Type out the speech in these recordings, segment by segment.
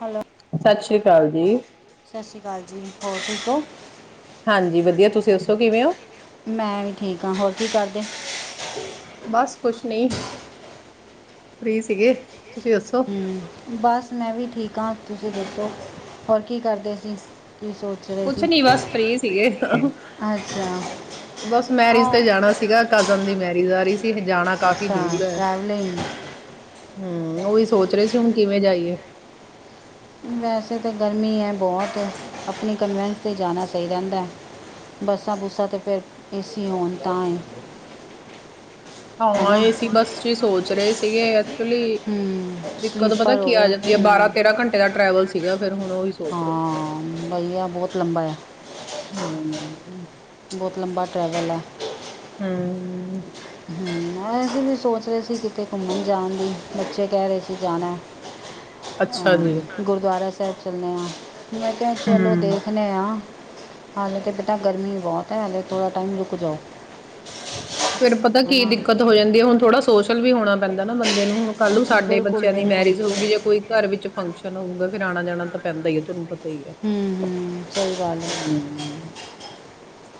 Hello Sat Sri ਅਕਾਲ ਜੀ। ਸਤਿ ਸ਼੍ਰੀ ਅਕਾਲ ਜੀ ਹੋਰ ਠੀਕ ਹੋ। ਹਾਂਜੀ ਵਧੀਆ, ਤੁਸੀਂ ਦੱਸੋ ਕਿਵੇਂ ਹੋ? ਮੈਂ ਵੀ ਠੀਕ ਹਾਂ ਹੋਰ ਕੀ ਕਰਦੇ ਬਸ ਕੁੁਸ਼ ਨਹੀਂ ਫਰੀ ਸੀਗੇ। ਤੁਸੀਂ ਦੱਸੋ? ਹੂੰ, ਬਸ ਮੈਂ ਵੀ ਠੀਕ ਹਾਂ ਤੁਸੀਂ ਦੱ ਹੋਰ ਕੀ ਕਰਦੇ ਸੀ। ਕੀ ਸੋਚ ਰਹੇ ਕੁਛ ਸੀ ਨੀ ਬਸ ਫਰੀ ਸੀਗੇ ਅੱਛਾ ਬਸ ਮੈਰਿਜ ਤੇ ਆ ਜਾਣਾ ਸੀ ਗਾ ਕਜ਼ਨ ਦੀ ਮੈਰ ਡਿਜ਼ਾਰੀਜ਼ ਕਿ ਜਾਣਾ ਕਾਫ਼ੀ ਅੱਛਾ ਦੂਰ ਹੈ। ਟਰੈਵਲਿੰਗ ਹੂੰ, ਉਹੀ ਸੋਚ ਰਹੇ ਸੀ ਹੁਣ ਕਿਵੇਂ ਜਾਈਏ ਵੈਸੇ ਤਾਂ ਗਰਮੀ ਹੈ ਬਹੁਤ ਆਪਣੀ ਕਨਵੈਂਸ 'ਤੇ ਜਾਣਾ ਸਹੀ ਰਹਿੰਦਾ, ਬੱਸਾਂ ਬੁੱਸਾਂ ਤਾਂ ਫਿਰ ਏਸੀ ਹੋਣ ਤਾਂ ਹੀ ਹਾਂ, ਏਸੀ ਬਸ ਚੀ ਸੋਚ ਰਹੇ ਸੀਗੇ। ਐਕਚੁਲੀ ਹੂੰ ਦਿੱਕਤ ਪਤਾ ਸਲੀਪਰ ਕੀ ਹੋਵੇ ਆ ਜਾਂਦੀ ਹੈ, ਬਾਰਾਂ ਹੂੰ ਤੇਰਾਂ ਘੰਟੇ ਦਾ ਟ੍ਰੈਵਲ ਸੀਗਾ। ਫਿਰ ਹੁਣ ਉਹੀ ਸੋਚ ਰਹੇ, ਹਾਂ ਭਈਆ ਬਹੁਤ ਲੰਬਾ ਹੈ ਹੂੰ। ਬਹੁਤ ਲੰਬਾ ਟਰੈਵਲ ਐ। ਹੂੰ। ਹੂੰ, ਅਸੀਂ ਵੀ ਸੋਚ ਰਹੇ ਸੀ ਕਿਤੇ ਘੁੰਮਣ ਜਾਣ ਦੀ ਬੱਚੇ ਕਹਿ ਰਹੇ ਸੀ। ਜਾਣਾ ਅੱਛਾ ਜੀ ਹਾਂ ਗੁਰਦੁਆਰਾ ਸਾ ਤੈਂ ਚੱਲੇ ਆਂ। ਮੈਂ ਕਿਹਾ ਚਲੋ ਹਮ ਦੇਖਣੇ ਆ ਹਾਲੇ ਤਾਂ ਬੇਟਾ ਗਰਮੀ ਬਹੁਤ ਹੈ, ਹਾਲੇ ਥੋੜ੍ਹਾ ਟਾਈਮ ਰੁਕ ਜਾਓ। ਫੇਰ ਪਤਾ ਹੈ ਕੀ ਨਾ ਦਿੱਕਤ ਹੋ ਜਾਂਦੀ ਹੈ, ਹੁਣ ਥੋੜ੍ਹਾ ਸ ਸੋਸ਼ਲ ਵੀ ਹੋਣਾ ਪੈਂਦਾ ਨਾ ਬੰਦੇ ਨੂੰ ਹੁਣ ਕੱਲ ਨੂੰ ਸਾਡੇ ਬਿਲਕੁਲ ਬੱਚਿਆਂ ਦੀ ਬਿਲਕੁਲ ਮੈਰਿਜ ਹੋਗੀ ਜੇ ਕੋਈ ਘਰ ਵਿੱਚ ਫੰਕਸ਼ਨ ਹੋਊਗਾ ਫਿਰ ਆਣਾ ਜਾਣਾ ਤਾਂ ਪੈਂਦਾ ਏ ਤੁਹਾਨੂੰ ਪਤਾ ਸਹੀ ਐ, ਹਮ ਹਮ ਸਹੀ ਗੱਲ ਹੈ ਹੂੰ।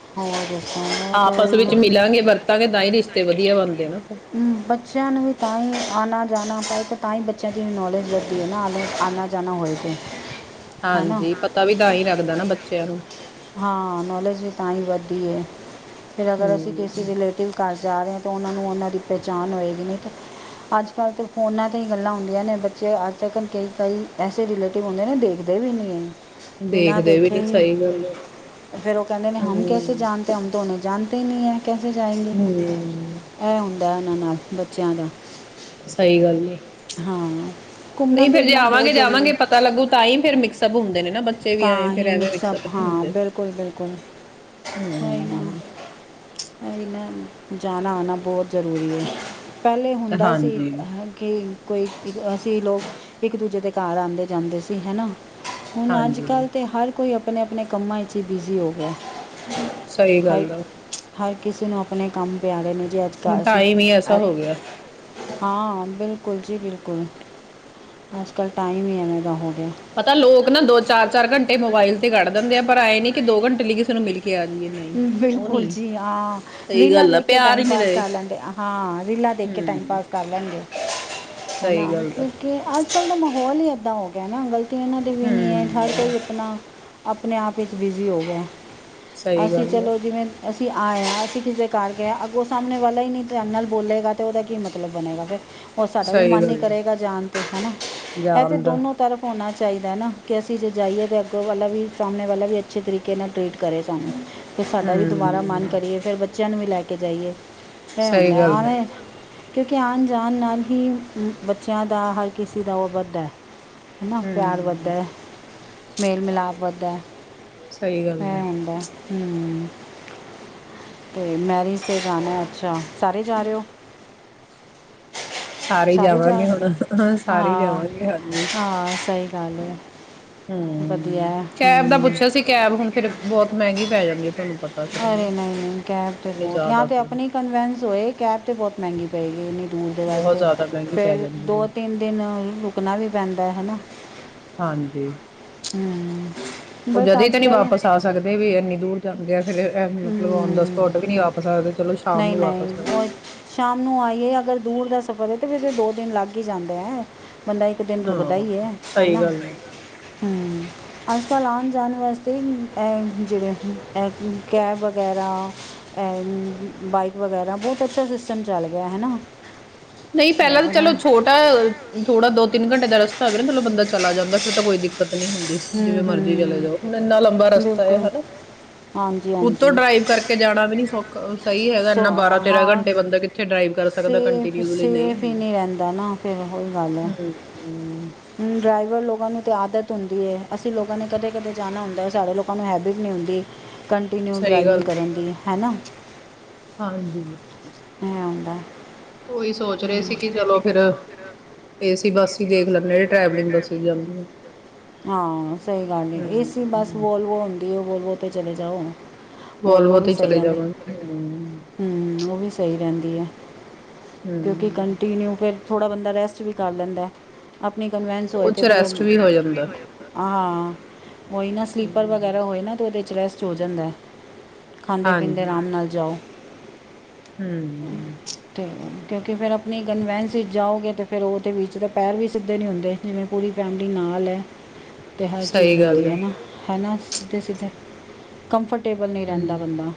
ਹੋਰ ਦੱਸੋ ਮੈਂ ਤਾਂ ਆਪਸ ਉਹੀ ਵਿੱਚ ਨਾ ਮਿਲਾਂਗੇ ਵਰਤਾਂਗੇ ਤਾਂ ਹੀ ਰਿਸ਼ਤੇ ਵਧੀਆ ਬਣਦੇ ਨਾ। ਫਿਰ ਬੱਚਿਆਂ ਨੂੰ ਵੀ ਤਾਂ ਹੀ ਆਣਾ ਜਾਣਾ ਪਏਗਾ। ਤਾਂ ਹੀ ਬੱਚਿਆਂ ਦੀ ਨੌਲੇਜ ਵਧਦੀ ਹੈ ਨਾ ਆਲੇ ਆਨਾ ਜਾਣਾ ਹੋਏ ਵੇ ਹਾਂਜੀ ਪਤਾ ਵੀ ਤਾਂ ਹੀ ਲੱਗਦਾ ਨਾ ਬੱਚੇ ਬੱਚਿਆਂ ਨੂੰ ਹਾਂ ਨੌਲੇਜ ਵੀ ਤਾਂ ਹੀ ਵੱਧਦੀ ਹੈ। ਫਿਰ ਅਗਰ ਅਸੀਂ ਕਿਸੇ ਹੂੰ। ਰਿਲੇਟਿਵ ਘਰ ਜਾ ਰਹੇ ਹ ਤਾਂ ਉਹਨਾਂ ਨੂੰ ਉਹਨਾਂ ਦੀ ਪਹਿਚਾਣ ਹੋਏਗੀ ਨਹੀਂ ਅੱਜ ਕੱਲ੍ਹ ਤਾਂ ਫੋਨਾਂ ਤੇ ਹੀ ਗੱਲਾਂ ਹੁੰਦੀਆਂ ਨੇ ਬੱਚੇ ਅੱਜ ਤੱਕ ਕਈ ਕਈ ਐਸੇ ਰਿਲੇਟਿਵ ਹੁੰਦੇ ਨੇ ਦੇਖਦੇ ਵੀ ਨਹੀਂ ਹੈ। ਦੇਖਦੇ ਵੀ ਨੀ ਸਹੀ। ਗੱਲ ਹੈ ਫੇਰ ਉਹ ਕਹਿੰਦੇ ਨੇ ਹਮ ਕੈਸੇ ਹੂੰ ਜਾਣਤੇ ਤੇ ਹਮ ਤੋ ਓਣੇੇ ਜਾਣਤੇ [unintelligible] ਕੈਸੇ ਜਾਏਗੇ ਹੂੰ। ਇਹ ਹੁੰਦਾ ਐ। ਨਾਲ ਬੱਚਿਆਂ ਦਾ ਸਹੀ ਗੱਲ ਆ ਹਾਂ ਘੁੰਮਣਾ ਨਹੀਂ ਫੇਰ ਜੇ ਫਿਰਨਾ ਬਹੁਤ ਆਵਾਂਗੇ ਜ਼ਰੂਰੀ ਜਾਵਾਂਗੇ ਪਤਾ ਲੱਗੂ ਤਾਂ ਹੀ ਫੇਰ ਮਿਕਸਪ ਹੁੰਦੇ ਨੇ। ਨਾ ਬੱਚੇ ਵੀ ਆਏ ਤਾਂ ਫੇਰ ਹੀ ਐਵੇਂ ਮਿਕਸਅਪ ਨਹੀਂ ਹਾਂ ਹੁੰਦੇ। ਬਿਲਕੁਲ ਬਿਲਕੁਲ ਹੀ ਹੂੰ ਨਾਹੀ ਨਾ। ਜਾਣਾ ਆਣਾ ਬਹੁਤ ਜ਼ਰੂਰੀ ਹੈ। ਪਹਿਲੇ ਹੁੰਦਾ ਸੀ ਹਾਂਜੀ। ਕਿ ਕੋਈ ਅਸੀਂ ਲੋਕ ਇੱਕ ਦੂਜੇ ਦੇ ਘਰ ਆਦੇ ਜਾਂਦੇ ਸੀ ਹਨਾ। ਹੁਣ ਅੱਜ ਹਾਂਜੀ ਗੱਲ ਤੇ ਹਰ ਕੋਈ ਆਪਣੇ ਆਪਣੇ ਕੰਮਾਂ ਵਿੱਚ ਹੀ ਬਿਜ਼ੀ ਹੋ ਗਿਆ। ਸਹੀ ਹਰ ਗੱਲ ਆ ਹਰ ਕਿਸੇ ਨੂੰ ਆਪਣੇ ਕੰਮ ਪਿਆਰੇ ਨੇ। ਜੀ ਅੱਜ ਕੱਲ੍ਹ ਹੁਣ ਅਸੀਂ ਟਾਈਮ ਹੀ ਐਸਾ ਹੋ ਅੱਜ- ਗਿਆ। ਹਾਂ ਬਿਲਕੁਲ ਜੀ ਬਿਲਕੁਲ ਅੱਜ ਕੱਲ੍ਹ ਟਾਈਮ ਹੀ ਐਵੇੇ ਦਾ ਹੋ ਗਿਆ ਪਤਾ ਲੋਕ ਨਾ ਦੋ ਚਾਰ ਚਾਰ ਘੰਟੇ ਮੋਬਾਇਲ ਤੇ ਕੱਢ ਦਿੰਦੇ ਆ ਪਰ ਆਏ ਨੇ ਕਿ ਦੋ ਘੰਟੇ ਲਈ ਕਿਸੇ ਨੂੰ ਮਿਲ ਕੇ ਆ ਜਾਈਏ ਨਹੀਂ ਉਹ ਬਿਲਕੁਲ ਨਹੀਂ ਜੀ ਹਾਂ ਸਹੀ ਰੀਲਾਂ ਗੱਲ ਆ ਦੇਖ ਕੇ ਪਿਆਰ ਟਾਈਮ ਹੀ ਨਹੀਂ ਪਾਸ ਰਹੇ ਕਰ ਲੈਂਦੇ ਹਾਂ ਰੀਲਾਂ ਦੇਖ ਕੇ ਟਾਈਮ ਹਮ ਪਾਸ ਕਰ ਲੈਂਦੇ। ਸਹੀ ਹਨ ਗੱਲ ਆ ਕਿਉਕਿ ਅਜ ਕਲ ਦਾ ਮਾਹੌਲ ਹੀ ਏਦਾਂ ਹੋ ਗਿਆ ਨਾ ਗਲਤ ਇੰਨਾ ਦੀ ਵੀ ਨਹੀਂ ਹੈ ਹਰ ਹਮ ਕੋਈ ਆਪਣਾ। ਆਪਣੇ ਆਪ ਵਿੱਚ ਬਿਜ਼ੀ ਹੋ ਗਏ ਸਹੀ ਅਸੀਂ ਗੱਲ ਆ ਚਲੋ ਜਿਵੇਂ ਅਸੀ ਅਸੀਂ ਆਏ ਹਾਂ ਅਸੀਂ ਕਿਸੇ ਕਰਕੇ ਅ ਉਹ ਸਾਹਮਣੇ ਵਾਲਾ ਹੀ ਨਹੀਂ ਧਿਆਨ ਨਾਲ ਬੋਲੇਗਾ ਅਤੇ ਉਹਦਾ ਕੀ ਮਤਲਬ ਬਣੇਗਾ ਫਿਰ ਉਹ ਸਾਡਾ ਵੀ ਸਹੀ ਮਨ ਹੀ ਗੱਲ ਆ ਕਰੇਗਾ ਜਾਣ 'ਤੇ ਹੈ ਨਾ ਇਹ ਤਾਂ ਜਾਣ ਦਾ ਦੋਨੋਂ ਤਰਫ ਹੋਣਾ [inaudible] ਕੇ ਅਸੀਂ ਜਾਈਐ ਤਾਂ ਅੱਗੋ ਵਾਲਾ ਵੀ ਸਾਮਣੇ ਵਾਲਾ ਵੀ ਅਚੇਤਰਿਕੇ ਨਾਲ ਟ੍ਰੀਟ ਕਰੇ ਸਾਨੂੰ ਫਿਰ ਸਾਡਾ ਵੀ ਦੁਬਾਰਾ ਮਨ ਹਮ ਕਰੀਏ ਫਿਰ ਬੱਚ [unintelligible] [inaudible] ਨੂੰ ਵੀ ਲੈਕੇ ਜਾਈਏ ਸ ਸਹੀ ਹੁੰਦਾ ਗੱਲ ਆ ਆਵੈ ਕਿਉਂਕਿ ਆਉਣ ਜਾਣ ਨਾਲ ਹੀ ਬੱਚਿਆਂ ਦਾ ਹਰ ਕਿਸੇ ਦਾ ਉਹ ਵੱਧ ਹੈ। ਹੈ ਨਾ ਪਿਆਰ ਹਮ ਵਧਦਾ ਹੈ ਮੇਲ ਮਿਲਾਪ ਵਧਦਾ ਹੈ। ਸਹੀ ਗੱਲ [unintelligible] ਆ ਹੂੰਦਾ ਹੈ ਹਮ ਤੇ ਮੈਰਜ਼ ਤੇ ਜਾਣਾ ਅੱਛਾ ਸਾਰੇ ਜਾ ਰਹੇ ਹੋ। ਸਾਰੇ ਜਾਵਾਂਗੇ ਹੁਣ ਸਾਰੇ ਹੀ ਹਾਂ ਜਾਵਾਂਗੇ ਹਾਂਜੀ। ਹਾਂ [unintelligible] [unintelligible] ਵਧੀਆ ਹਮ ਹੈ ਕੈਬ ਦਾ ਹਮ ਪੁੱਛਿਆ ਸੀ ਕੈਬ ਹੁਣ ਫੇਰ ਬਹੁਤ ਮਹਿੰਗੀ ਪੈ ਜਾਂਦੀ ਹੈ। ਤੁਹਾਨੂੰ ਪਤਾ ਫਿਰ ਹਨਾ ਅਰੇ ਨਹੀਂ-ਨਹੀਂ ਕੈਬ ਤੇ ਇੰਨੀ ਬਹੁਤ ਯਾ ਜ਼ਿਆਦਾ ਤੇ ਆਪਣੀ ਕਨਵੈਂਸ ਹੋਏ, ਕੈਬ ਤੇ ਬਹੁਤ ਮਹਿੰਗੀ ਪਏਗੀ ਇੰਨੀ ਦੂਰ ਦੇ ਬਹੁਤ ਵਾਸਤੇ, ਜ਼ਿਆਦਾ ਮਹਿੰਗੀ ਪੈ ਫੇਰ ਜਾਂਦੀ ਹੈ ਦੋ, ਤਿੰਨ ਦਿਨ ਰੁਕਣਾ ਵੀ ਪੈਂਦਾ ਹੈ ਨਾ। ਹਾਂਜੀ। [unintelligible] ਹਮ ਉਹ ਬਟ ਜਦੇ ਅੱਜ ਤੇ ਨਹੀਂ ਕੱਲ੍ਹ ਵਾਪਸ ਆ ਸਕਦੇ ਵੀ ਇੰਨੀ ਦੂਰ ਜਾਂਦੇ ਆ। [inaudible] ਇਹ ਵੀ ਮਤਲਬ ਆਉਣ ਦਾ ਹਮ, ਤੁਹਾਡੇ ਵੀ ਨੀ ਵਾਪਸ ਆ ਸਕਦੇ, ਚਲੋ ਸ਼ਾਮ ਨਹੀਂ ਨੂੰ ਵਾਪਸ ਆ ਨਹੀਂ ਉਹ ਜਾਓ। ਸ਼ਾਮ ਨੂੰ ਆਈਏ ਅਗਰ [inaudible] ਤੇ ਫਿਰ ਦੋ ਦਿਨ ਲੱਗ ਹੀ ਜਾਂਦੇ ਹੈ। ਬੰਦਾ ਇੱਕ ਦਿਨ ਰੁਕਦਾ ਹਾਂ ਹੀ ਹੈ ਸਹੀ ਹੈਨਾ ਗੱਲ ਹੈ ਹਮਮ ਅ ਆਨ ਜਾਨ ਵਾਸਤੇ ਹੀ ਏਹ ਜਿਵੇੰ ਕਿ [inaudible] ਕੈਬ ਵਗੈਰਾ, ਏਹ ਬਾਈਕ ਵਗੈਰਾ, ਬਹੁਤ ਅੱਛਾ ਸਿਸਟਮ ਚੱਲ ਗਿਆ ਹੈ ਨਾ। ਨਹੀਂ ਪਹਿਲਾਂ ਤਾਂ ਉਹਦਾ ਚਲੋ ਹਮ ਛੋਟਾ, ਅਹ ਥੋੜਾ ਦੋ ਤਿੰਨ ਘੰਟੇ ਦਾ ਰਸ [inaudible] [inaudible] ਮਲੋਂ ਬੰਦਾ ਚਲਾ ਜਾਂਦਾ ਏ, ਫਿਰ ਤਾਂ ਕੋਈ ਦਿੱਕਤ ਨੀ ਹੁੰਦੀ ਜਿਵੇਂ ਮਰਜੀ ਚਲੇ ਹਮ ਜਾਓ, ਇੰਨਾ ਲੰਬਾ ਰਸਤਾ ਹੈ ਬਿਲਕੁਲ ਹੈਨਾ, ਹਾਂਜੀ ਖੁਦ ਤੋਂ ਹਾਂਜੀ ਡਰਾਈਵ ਕਰਕੇ ਜਾਣਾ ਵੀ ਨੀ ਸੌਖਾ [inaudible] [inaudible] ਹੈਗਾ ਸੋ ਇੰਨਾ ਬਾਰਾਂ, ਤੇਰਾਂ ਹਾਂ ਘੰਟੇ ਬੰਦਾ ਕਿੱਥੇ ਡਰਾਈਵ ਕਰ ਸਕਦਾ। ਘੰ [inaudible] ਸੇਫ ਸੇਫ ਹੀ ਨਹੀਂ ਰਹਿੰਦਾ ਨਾ, ਫੇਰ ਉਹਹੀ ਗੱਲ ਹੈ। ਹਮ ਹਮ, ਡਰਾਈਵਰ ਲੋਗਾਂ ਨੂੰ ਆਦਤ ਹੁੰਦੀ ਏ, ਅਸੀਂ ਲੋਗਾਂ ਨੇ ਕਦੇ-ਕਦੇ ਜਾਣਾ ਹੁੰਦਾ ਏ, ਸਾਡੇ ਲੋਕਾਂ ਨੂੰ ਹੈਬਿਟ ਨਹੀਂ ਹੁੰਦੀ। ਕੰਟੀਨਿਊ ਸਹੀ ਡਰਾਈਵਿੰਗ ਗੱਲ ਕਰਨ ਦੀ ਹੈਨਾ? ਹਾਂਜੀ। [inaudible] ਆਉਂਦਾ ਏ। ਉਹੀ ਸੋਚ ਰਹੇ ਸੀ ਕਿ ਚਲੋ ਫਿਰ। ਏ ਸੀ ਬੱਸ ਵੀ ਦੇਖ ਲੈਣਾ ਹਾਂ ਯਾ ਟਰੈਵਲਿੰਗ ਬੱਸ ਹੀ ਜਾਂਦੀ ਏ। ਹਾਂ ਸਹੀ ਗੱਲ ਏ, ਏ ਸੀ ਬਸ ਵੋਲਵੋ ਹੁੰਦੀ ਏ, ਵੋਲਵੋ ਤੇ ਚਲੇ ਜਾਓ। ਵੋਲਵੋ ਵੀ ਤੇ ਸਹੀ ਚਲੇ ਰਹਿੰਦੀ, ਜਾਵਾਂਗੇ ਹੂੰ ਹਮ ਉਹ ਵੀ ਸਹੀ ਰਹਿੰ ਦੀ ਹੈ। ਕਿਉਂਕਿ ਕੰਟੀਨਿਊ ਫਿਰ ਥੋੜ੍ਹਾ ਬੰਦਾ ਰੈਸਟ ਵੀ ਕਰ ਲੈਂਦਾ ਏ। ਅਪ ਅਪਣੀ ਕਨਵੇਂਸ ਹੋਏ ਤੇ ਚ ਫਿਰ ਉਹ ਰੈਸਟ ਵੀ ਹੋ ਹਾਂ। ਜਾਂਦਾ ਹਾਂ। ਉਈ ਨਾ, ਸਲੀਪਰ ਹੂੰ, ਵਗੈਰਾ ਹੋਏ ਨਾ ਤੇ ਉਹਦੇ ਚ ਰੈਸਟ ਹੋ ਜਾਂਦਾ ਏ। ਖਾਂਦੇ, ਪੀਂਦੇ, ਆਰਾਮ ਨਾਲ ਜਾਓ। ਹਮ ਹ ਤੇ ਕਿਉਂਕਿ ਫਿਰ ਆਪਣੀ ਕਨਵੈਂਸ ਵਿੱਚ ਜਾਓਗੇ, ਤਾਂ ਫਿਰ ਉਹਦੇ ਵਿੱਚ ਤਾਂ ਪੈਰ ਵੀ ਸਿੱਧੇ ਨਹੀਂ ਹੁੰਦੇ, ਜਿਵੇਂ ਪੂਰੀ ਫੈਮਿਲੀ ਨਾਲ ਹੈ। ਤੇ ਹਰ ਚੀਜ਼ ਸਹੀ ਹੁੰਦੀ ਗੱਲ ਹੈ ਨਾ ਹੈ। ਸਿੱਧੇ ਸਿੱਧੇ ਕੰਮਫਰਟ ਟੇਬਲ ਨਹੀਂ ਰਹਿੰਦਾ ਬੰਦਾ ਹੂੰ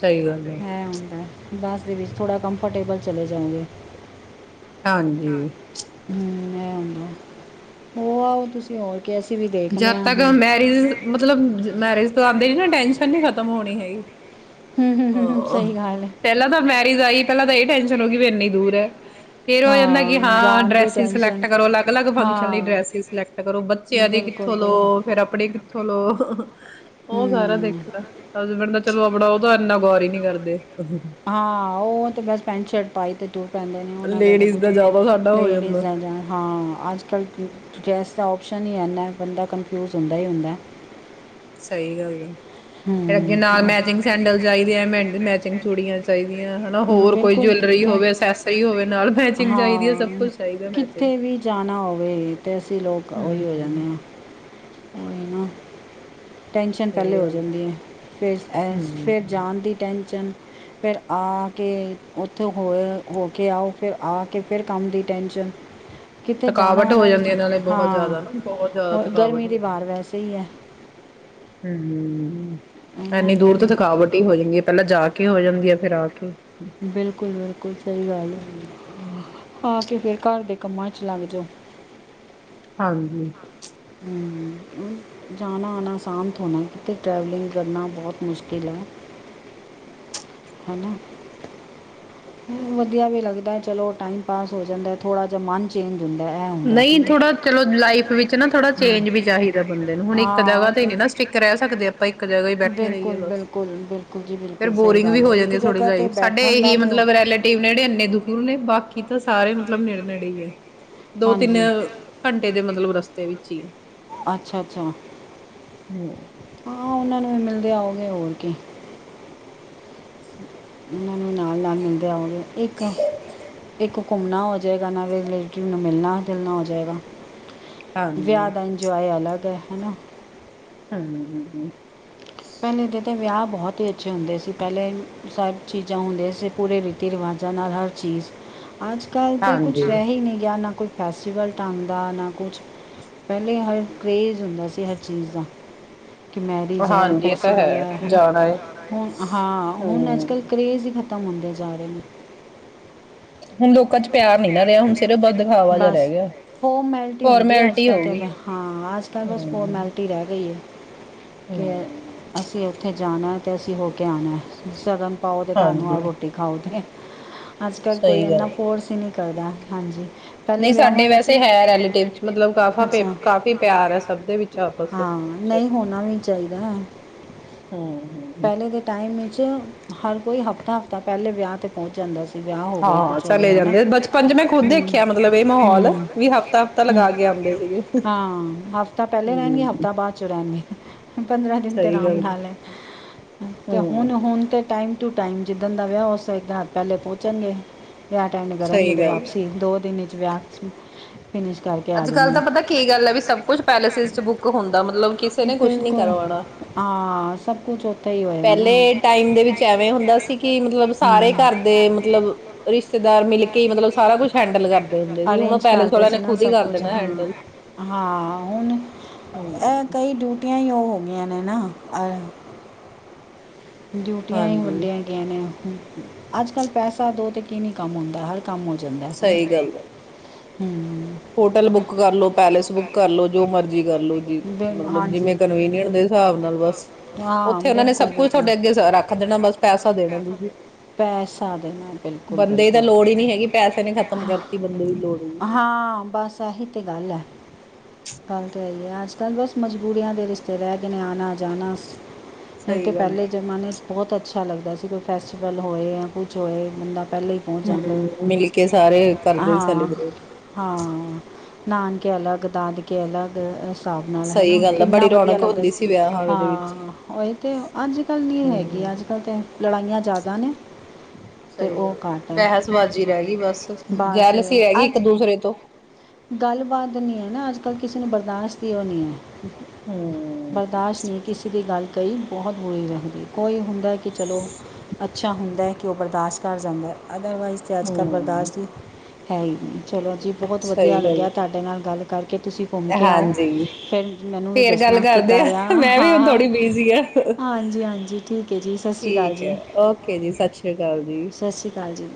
ਸਹੀ ਗੱਲ ਹੈ ਹੁੰਦਾ ਬੱਸ ਦੇ ਵਿੱਚ ਥੋੜ੍ਹਾ ਕੰਫਰਟੇਬਲ ਚਲੇ ਜਾਓਗੇ। ਹਾਂਜੀ! ਹਮ ਇਹ ਆਦਾ ਉਹ ਆਓ, ਤੁਸੀਂ ਹੋ ਜੱਦ ਤੱਕ ਮੈਰਿਜ ਮਤਲਬ ਮੈਰਿਜ ਆਂਦੇ ਨ ਨਾ ਟੈਨਸ਼ਨ ਨੀ ਖਤਮ ਹੋਣੀ ਹੈਗੀ। ਹਮ ਹਮ ਹਮ ਹਮ ਹ ਸਹੀ ਗੱਲ ਹੈ ਪਹਿਲਾਂ ਤਾਂ ਮੈਰਿਜ ਆਈ ਪਹਿਲਾਂ ਤਾਂ ਇਹ ਟ ਚਲੋਗੀ ਵੀ ਇੰਨੀ ਦੂਰ ਹੈ। ਫੇਰ ਉਹ ਕਹਿੰਦਾ ਹਾਂ ਕਿ, ਹਾਂ ਜਾਣ ਦੀ ਡਰੈਸ ਟੈਨਸ਼ਨ ਸਿਲੈਕਟ ਕਰੋ ਅਲੱਗ, ਅਲੱਗ, ਫੰਕਸ਼ਨ ਲਈ ਹਾਂ ਡਰੈਸ ਸਿਲੈਕਟ ਕਰੋ ਬੱਚਿਆਂ ਦੇ ਬਿਲਕੁਲ ੳ ਬਿਲਕੁਲ ਫੇਰ ਆਪਣੇ ਚਥਲੋ ਉਹ ਸਾਰਾ ਹਮ ਦੇਖਣਾ ਹਸਬੈਂਡ ਦਾ ਚਲੋ ਆਪਣਾ ਉਹਦਾ ਇੰਨਾ ਗੌਰ ਹੀ ਨੀ ਕਰਦੇ। ਹਾਂ, ਉਹ ਤੇ ਬਸ ਪੈਂਟ ਸ਼ਰਟ ਪਾਈ ਤੇ ਤ ਪੈਂਦੇ ਨੇ ਉਹਨਾਂ ਦਾ ਲੇਡੀਜ਼ ਕੁ ਜ਼ਿਆਦਾ ਸਾਡਾ ਹੋ ਲੇਡੀਜ਼ ਜਾਂਦਾ ਦਾ ਹਾਂ ਅੱਜ ਡੈ੍ਸ ਦਾ ਕੁਛ ਨਹੀਂ ਇ ਬੰਦਾ ਕਨਫਿਊਜ ਹੁੰਦਾ ਹੀ ਹੁੰਦਾ। ਸਹੀ ਗੱਲ ਆ ਫਿਰ ਅੱਗੇ ਹਮ ਨਾਲ ਮੈਚਿੰਗ ਸੈਂਡਲ ਚਾਹੀਦੇ ਆ ਮ ਮੈਚਿੰਗ ਚੂੜੀਆਂ ਚਾਹੀਦੀਆਂ ਹਨਾ ਹੋਰ ਕੋਈ ਬਿਲਕੁਲ ਜਵਲਰੀ ਕਿੱਥੇ ਹੋਵੇ ਅਸੈਸਰੀ ਹੋਵੇ ਨਾਲ ਮੈਚਿੰਗ ਚਾਹੀਦੀ ਹੈ ਸਭ ਹਾਂ ਕੁਛ ਚਾਹੀਦਾ ਮੈਚਿੰਗ ਕਿੱਥੇ ਵੀ ਜਾਣਾ ਹੋਵੇ ਤੇ ਅਸੀਂ ਲੋਕ ਉਹੀ ਹੋ ਜਾਂਦੇ ਹਾਂ ਟੈਂਸ਼ਨ ਸਹੀ ਪਹਿਲੇ ਹੋ ਗੱਲ ਜਾਂਦੀ ਹੈ ਫਿਰ ਹਮ ਫਿਰ ਜਾਣ ਦੀ ਟੈਂਸ਼ਨ ਫਿਰ ਆ ਕੇ ਉੱਥੋਂ ਹੋ ਹੋ ਕੇ ਆਓ ਫਿਰ ਆ ਕੇ ਫਿਰ ਕੰਮ ਦੀ ਟੈਂਸ਼ਨ ਥਕਾਵਟ ਹੋ ਜਾਂਦੀ ਹੈ ਇਹ ਨਾਲੇ ਬਹੁਤ ਜ਼ਿਆਦਾ ਨਾ ਬਹੁਤ ਜ਼ਿਆਦਾ ਹੋਰ ਥਕਾਵਟ ਗਰਮੀ ਦੀ ਹੋ ਬਾਹਰ ਜਾਂਦੀ ਹੈ ਵੈਸੇ ਹੀ ਹਮ ਹਮ ਹਮ ਉਹੀ ਨਾ ਇੰਨੀ ਦੂਰ ਤੋਂ ਗਰਮੀ ਥਕਾਵਟ ਹੀ ਹੋ ਜਾਂਦੀ ਹੈ ਪਹਿਲਾਂ ਜਾ ਕੇ ਹੋ ਜਾਂਦੀ ਆ ਫੇਿਰ ਆ ਕੇ ਬਿਲਕੁਲ ਬਿਲਕੁਲ ਸਹੀ ਗੱਲ ਹੈ ਹੂੰ, ਆ ਕੇ ਫਿਰ ਘਰ ਦੇ ਕੰਮਾਂ 'ਚ ਲੱਗ ਜਾਓ ਹਾਂਜੀ ਜਾਣਾ ਆਉਣਾ ਅਸਾਂਤ ਹੋਣਾ ਕਿਤੇ ਟਰੈਵਲਿੰਗ ਕਰਨਾ ਬਹੁਤ ਮੁਸ਼ਕਿਲ ਹੈ ਹਨਾ ਵਧੀਆ ਵੀ ਲੱਗਦਾ ਚਲੋ ਟਾਈਮ ਪਾਸ ਹੋ ਜਾਂਦਾ ਹੈ ਥੋੜ੍ਹਾ ਜਿਹਾ ਮਨ ਚੇਂਜ ਹੁੰਦਾ ਇਹ ਹੁੰਦਾ ਨਹੀਂ ਥੋੜਾ ਚਲੋ ਲਾਈਫ ਵਿੱਚ ਨਾ ਥੋੜਾ ਚੇਂਜ ਵੀ ਚਾਹੀਦਾ ਬੰਦੇ ਨੂੰ ਹੁਣ ਇੱਕ ਹਾਂ ਜਗ੍ਹਾ ਉਹ ਤੇ ਤਾਂ ਨਹੀ ਨਾ ਸਟਿੱਕ ਰਹਿ ਸਕਦੇ ਆਪਾਂ ਇੱਕ ਜਗ੍ਹਾ ਹੀ ਬੈਠੇ ਰਹੀਏ ਬਿਲਕੁਲ ਬੱਸ ਬਿਲਕੁਲ ਬਿਲਕੁਲ ਜੀ ਫੇਿਰ ਬਿਲਕੁਲ ਸਹੀ ਬੋਰਿੰਗ ਵੀ ਗੱਲ ਹੈ ਹੋ ਇੱਕ ਜਾਂਦੀ ਥੋੜ੍ਹੀ ਜਗ੍ਹਾ 'ਤੇ ਲਾਈ ਸਾਡੇ ਬੈਠਣ ਦਾ ਇਹੀ ਤਾਂ ਮਤਲਬ ਰੈਲੇਟਿਵ ਨੇ ਜਿਹੜੇ ਇੰਨੇ ਦੁਖ ਨੇ ਬਾਕੀ ਤਾਂ ਸਾਰੇ ਮਤਲਬ ਨੇੜੇ ਨੇੜੇ ਹੀ ਹੈ ਦੋ ਤਿੰਨ ਹਾਂਜੀ ਘੰਟੇ ਦੇ ਮਤਲਬ ਰਸਤੇ ਵਿੱਚ ਹੀ ਏ ਰਸਤੇ ਅੱਛਾ ਅੱਛਾ ਹਮ ਹਾਂ ਉਹਨਾਂ ਨੂੰ ਵੀ ਮਿਲਦੇ ਆਉਗੇ ਹੋਰ ਕੀ ਹਮ ਨੂੰ ਨਾਲ ਨਾਲ ਮਿਲਦੇ ਆਗੇ ਇੱਕ ਇੱਕ ਘੁੰਮਣਾ ਹੋ ਜਾਵੇਗਾ ਨਾਲੇ ਰਿਲੇਟਿਵ ਨੂੰ ਮਿਲਣਾ ਜੁਲਣਾ ਹੋ ਜਾਵੇਗਾ ਹਾਂਜੀ, ਵਿਆਹ ਦਾ ਇੰਜੋਏ ਅਲੱਗ ਹੈ [inaudible] ਹਮਮਮ ਪਹਿਲੇ ਦੇ ਤਾਂ ਵਿਆਹ ਬਹੁਤ ਹੀ ਅੱਛੇ ਹੁੰਦੇ ਸੀ ਪਹਿਲੇ ਸਭ ਚੀਜ਼ਾਂ ਹੁੰਦੀਆਂ ਸੀ ਪੂਰੇ ਰੀਤੀ ਰਿਵਾਜ਼ਾਂ ਨਾਲ ਹਰ ਚੀਜ਼ ਅੱਜ ਕੱਲ ਤੇ ਕੁਛ ਹਾਂਜੀ। ਰਹਿ ਹੀ ਨਹੀਂ ਗਿਆ ਨਾ ਕੋਈ ਫੈਸਟੀਵਲ ਢੰਗ ਦਾ ਨਾ ਕੁਛ ਪਹਿਲੇ ਹਰ ਕਰੇਜ਼ ਹੁੰਦਾ ਸੀ ਹਰ ਚੀਜ਼ ਦਾ ਕਿ ਮੈਰਿਜ ਹੈ ਹਾਂਜੀ ਇਹ ਅ ਤਾਂ ਗੱਲ ਹੈ ਹਨਾ ਜਾਣਾ ਏ, ਹੁਣ ਹਾਂ ਹੁਣ ਅੱਜ ਕੱਲ ਹੂੰ। ਕਰੇਜ਼ ਖ਼ਤਮ ਹੁੰਦੇ ਜਾ ਰਹੇ ਨੇ ਹੁਣ ਲੋਕਾਂ ਚ ਪਿਆਰ ਨੀ ਨਾ ਰਿਹਾ ਹੁਣ ਸਿਰਫ ਬਸ ਦਿਖਾਵਾ ਜਿਹਾ ਬਸ ਰਹਿ ਗਿਆ, ਫੋਰਮੈਲਿਟੀ ਹੁੰਦੀ ਹੈ ਅੱਜ ਫੋਰਮੈਲਿਟੀ ਕੱਲ੍ਹ ਹੋ ਗਈ। ਤਾਂ ਹਾਂ ਅੱਜ ਕੱਲ੍ਹ ਬਸ ਹੂੰ, ਫੋਰਮੈਲਿਟੀ ਰਹਿ ਗਈ ਹੈ ਹੂੰ। ਕਿ ਅਸੀਂ ਉੱਥੇ ਜਾਨਣਾ ਹੈ ਕੈਸੀੇ ਹੋ ਕੇ ਆਉਣਾ ਹੈ ਸਗਮ ਪਾਓ ਤੇ ਘਰ ਨੂੰ‌ ਹਾਂਜੀ, ਆਓ ਰੋਟੀ ਖਾਓ ਉੱਥੇ ਅੱਜ ਕੱਲ੍ਹ ਕੋਈ ਸਹੀ ਇੰਨਾ ਗੱਲ ਹੈ। ਫੋਰਸ ਈ ਨੀ ਕਰਦਾ। ਹਾਂਜੀ। ਪਹਿਲੇ ਨਹੀਂ ਸਾਡੇ ਵਿਆਹਾਂ ਵਿੱਚ ਵੈਸੇ ਹੈ ਰੈਲੇਟਿਵ ਚ, ਮਤਲਬ ਕਾਫਾ ਅੱਛਾ। ਕਾਫੀ ਪਿਆਰ ਐ, ਸਭ ਦੇ ਵਿੱਚ ਆਪਸ ਨੂੰ ਹਾਂ ਚ। ਨਹੀਂ ਹੋਣਾ ਵੀ ਚਾਹੀਦਾ ਹੈ ਹਮ ਹਮ। ਪਹਿਲੇ ਦੇ ਟਾਈਮ ਈ ਚ ਹਰ ਕੋਈ ਹਫ਼ਤਾ ਹਫ਼ਤਾ ਪਹਿਲੇ ਵਿਆਹ 'ਤੇ ਪਹੁੰਚ ਜਾਂਦਾ ਸੀ। ਵਿਆਹ ਹੋਵੇ ਹਾਂ ਕੁਛ ਹੋਵੇ ਚਲੇ ਹਨਾ। ਜਾਂਦੇ ਬਚਪਨ ਚ ਮੈਂ ਖੁਦ ਹਮ ਦੇਖਿਆ ਮਤਲਬ ਇਹ ਮਾਹੌਲ ਵੀ ਹਫ਼ਤਾ-ਹਫ਼ਤਾ ਹਮ, ਲਗਾ ਕੇ ਆਉਂਦੇ ਸੀਗੇ। ਹਾਂ ਹਫ਼ਤਾ ਪਹਿਲੇ ਰਹਿਣਗੇ, ਹੂੰ, ਹਫ਼ਤਾ ਬਾਅਦ ਚੋ ਰਹਿਣਗੇ। ਪੰਦਰਾਂ ਦਿਨ ਤੇ ਸਹੀ ਰਾਮ ਗੱਲ ਨਾਲ ਐ। ਤੇ ਹੁਣ ਹੂੰ, ਹੁਣ ਤੇ ਟਾਈਮ ਟ ਟੂ ਟਾਈਮ ਜਿੱਦਣ ਦਾ ਵਿਆਹ ਓਸ ਤੋਂ ਇੱਕ ਰਾਤ ਪਹਿਲੇ ਪਹੁੰਚਣਗੇ‌। ਵਿਆਹ ਅਟੇਂਡ ਕਰਨਗੇ ਸਹੀ ਤੇ ਗੱਲ। ਵਾਪਸੀ। ਦੋ ਦਿਨ ਵਾਪਸੀ। ਅੱਜ ਕਲ ਤਾਂ ਪਤਾ ਕੀ ਗੱਲ ਆ, ਵੀ ਸਭ ਕੁਛ ਪੈਲੇਸਿਸ ਚ ਬੁੱਕ ਹੁੰਦਾ। ਮਤਲਬ ਕਿਸੇ ਨੇ ਕੁਛ ਨੀ ਬਿਲਕੁਲ ਕਰਵਾਣਾ। ਹਾਂ ਸਭ ਕੁਛ ਉੱਥੇ ਹੀ ਹੋਏਗਾ ਪਹਿਲੇ ਨਾ। ਟਾਈਮ ਦੇ ਵਿਚ ਐਵੇਂ ਹੁੰਦਾ ਸੀ, ਕਿ ਮਤਲਬ ਸਾਰੇ ਘਰ ਦੇ ਮਤਲਬ, ਰਿਸ਼ਤੇਦਾਰ ਮਿਲ ਕੇ ਮਤਲਬ ਸਾਰਾ ਕੁਛ ਹੈਂਡਲ ਕਰਦੇ ਹੁੰਦੇ ਕਰ ਸੀ। ਹੁਣ ਉਹ ਅਰੇਂਜ ਪੈਲੇਸ ਕਰਦੇ ਵਾਲੇਆਂ ਨੇ ਸੀ ਨਾ ਖੁਦ ਹੀ ਸਭ ਕਰ ਕੁਝ ਦੇਣਾ ਹਾਂ। ਹੈਂਡਲ। ਹਾਂ ਹਮ। ਟੀਆਂ ਹੀ ਓਹ ਹੋ ਗਈਆਂ ਨੇ ਨਾ। ਅ ਡਿਊਟੀਆਂ ਹੀ ਹਾਂਜੀ ਵੰਡੀਆਂ ਗਈਆਂ ਨੇ ਹੁ ਹਮ ਹਮ। ਅੱਜ ਕੱਲ੍ਹ ਪੈਸਾ ਦੋ ਤੇ ਕੀ ਨੀ ਕੰਮ ਹੁੰਦਾ। ਹਰ ਕੰਮ ਹੋ ਜਾਂਦਾ ਐ, ਹਨਾ। ਸਹੀ ਗੱਲ ਆ। ਹਮ। ਹੋਟਲ ਬੁੱਕ ਕਰਲੋ, ਪੈਲੇਸ ਬੁੱਕ ਕਰਲੋ, ਜੋ ਮਰਜੀ ਕਰਲੋ ਜੀ। ਲੋ ਬਿਲ ਮਤਲਬ ਹਾਂਜੀ ਜਿਵੇਂ ਕਨਵੀਨੀਯਟ ਦੇ ਸਾਬ ਨਾਲ ਬਸ ਹਾਂ ਉੱਥੇ ਉਹਨਾ ਨੇ ਬਿਲਕੁਲ ਸਭ ਕੁਛ ਤੁਹਾਡੇ ਅੱਗੇ ਸ ਰੱਖ ਦੇਣਾ ਬਸ ਪੈਸਾ ਦੇਣਾ ਤੁਹੀ, ਪੈਸਾ ਦੇਣਾ ਬਿਲਕੁਲ ਬੰਦੇ ਦੀ ਬਿਲਕੁਲ ਤਾਂ ਲੋੜ ਹੀ ਨੀ ਹੈਗੀ, ਪੈਸੇ ਨੇ ਖ਼ਤਮ ਕਰਤੀ ਬੰਦੇ ਦੀ ਲੋੜ ਵੀ। ਕੀ ਹਾਂ ਬਸ ਏਹੀ ਤਾਂ ਗੱਲ ਐ। ਗੱਲ ਤਾਂ ਏਹੀ ਆ। ਅਜ ਕੱਲ ਬਸ ਮਜ਼ਬੂਰੀਆਂ ਦੇ ਰਿਸ਼ਤੇਦਾਰ ਦੇ ਨੇ। ਆਣਾ ਜਾਣਾ ਨਹੀਂ ਤਾਂ ਸਹੀ ਗੱਲ ਪਹਿਲੇ ਆ। ਜ਼ਮਾਨੇ ਚ, ਬਹੁਤ ਅੱਛ ਅੱਛਾ ਲੱਗਦਾ ਸੀ, ਕੋਈ ਫੈਸਟੀਵਲ ਹੋਏ ਜਾਂ ਕੁਛ ਹੋਏ, ਬੰਦਾ ਪਹਿਲੇ ਹੀ ਪਹੁੰਚ ਜਾਂਦਾ ਹਮ, ਮਿਲ ਕੇ ਸਾਰੇ ਕਰਦੇ ਸੀ, ਹਾਂ ਸੈਲੀਬ੍ਰੇਟ। ਹਾਂ ਨਾਨਕੇ ਅਲਗ, ਦਾਦਕੇ ਅਲਗ, ਅ ਸਹੀ ਗੱਲ ਆ ਬੜੀ ਰੌਣਕ ਹੁੰਦੀ ਸੀ, ਵਿਆਹਵਾਂ ਦੇ ਵਿੱਚ। ਹਾਂ ਉਹੀ ਤੇ ਅੱਜ ਕੱਲ ਨੀ ਹੈਗੀ, ਅੱਜ ਹੂੰ। ਕੱਲ ਤੇ ਲੜਾਈਆਂ ਜ਼ਿਆਦਾ ਨੇ ਅਤੇ ਸਹੀ ਉਹ ਗੱਲ ਘੱਟ ਹੈ ਬਹਿਸਬਾਜ਼ੀ ਰਹਿ ਗਈ ਬਸ ਬਸ ਜਹਿਲਸੀ ਰਹਿ ਗਈ ਇੱਕ ਅੱਜ ਦੂਸਰੇ ਤੋਂ। ਗੱਲਬਾਤ ਨੀ ਹੈ ਨਾ ਅੱਜ ਕੱਲ੍ਹ ਕਿਸੇ ਨੂੰ ਬਰਦਾਸ਼ਤ ਹੀ ਉਹ ਨਹੀਂ ਹੈ। ਹੂੰ। ਬਰਦਾਸ਼ਤ ਨੀ ਕਿਸੇ ਦੀ ਗੱਲ ਕਈ ਬਹੁਤ ਬੁਰੇ ਹੁੰਦੇ, ਕੋਈ ਹੁੰਦਾ ਏ ਕਿ ਚਲੋ ਅੱਛਾ ਹੁੰਦਾ ਕਿ ਉਹ ਬਰਦਾਸ਼ਤ ਕਰ ਜਾਂਦਾ ਐ। ਅਦਰਵਾਈਜ਼ ਤਾਂ ਅੱਜ ਕੱਲ੍ਹ ਹੂੰ, ਬਰਦਾਸ਼ਤ ਹੈ ਹੀ ਨਹੀਂ ਚਲੋ ਜੀ ਬਹੁਤ ਵਧੀ ਸਹੀ ਗੱਲ ਲੱਗਿਆ ਤੁਹਾਡੇ ਨਾਲ ਗੱਲ ਕਰਕੇ ਤੁਸੀਂ ਘੁੰਮ ਕੇ ਆਓ ਹਾਂਜੀ। ਫਿਰ ਮੈਨੂੰ ਵੀ ਫੇਰ ਗੱਲ ਦੱਸਣਾ ਕਰਦੇ ਕਿੱਦਾਂ ਆ, ਰਿਹਾ। ਮੈਂ ਵੀ ਹੁਣ ਹਾਂ, ਥੋੜ੍ਹੀ ਬਿਜ਼ੀ ਆ। ਹਾਂਜੀ ਹਾਂਜੀ ਠੀਕ ਹੈ ਜੀ ਸਤਿ ਸ਼੍ਰੀ ਅਕਾਲ ਠੀਕ ਹੈ, ਜੀ। ਓਕੇ ਜੀ, ਸਤਿ ਸ੍ਰੀ ਅਕਾਲ ਜੀ। ਸਤਿ ਸ਼੍ਰੀ ਅਕਾਲ ਜੀ।